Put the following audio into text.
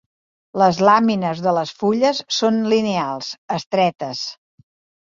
Les làmines de les fulles són lineals; estretes.